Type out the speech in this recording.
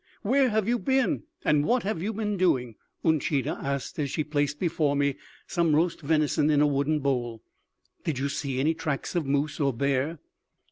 "Where have you been and what have you been doing?" Uncheedah asked as she placed before me some roast venison in a wooden bowl. "Did you see any tracks of moose or bear?"